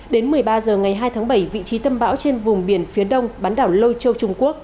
đến một mươi ba h ngày hai tháng bảy vị trí tâm bão trên vùng biển phía đông bán đảo lôi châu trung quốc